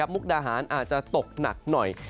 มุกดาหารอาจจะตกหนักหน่อย